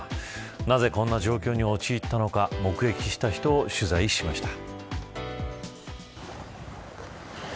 なぜ、こんな状況に陥ったのか目撃した人を取材しました。